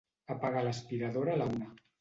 Apaga l'aspiradora a la una.